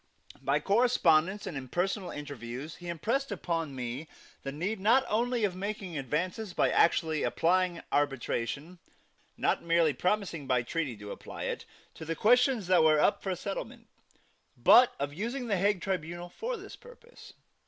By correspondence and in personal interviews he impressed upon me the need not only of making advances by actually applying arbitration not merely promising by treaty to apply it to questions that were up for settlement, but of using the Hague tribunal for this purpose.